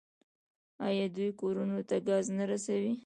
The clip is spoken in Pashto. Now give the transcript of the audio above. آیا دوی کورونو ته ګاز نه رسوي؟